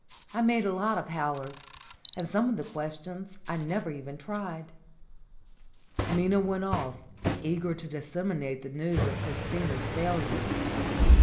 I made a lot of howlers, and some of the questions I never even tried." Minna went off, eager to disseminate the news of Christina's failure.